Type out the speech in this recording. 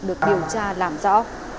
được điều tra làm rõ